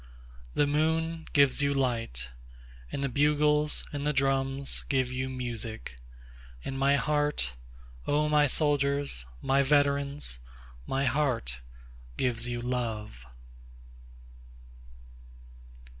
9The moon gives you light, And the bugles and the drums give you music; And my heart, O my soldiers, my veterans, My heart gives you love.